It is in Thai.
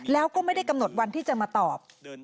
แล้วก็ไม่ได้กำหนดวันที่จะมาตอบ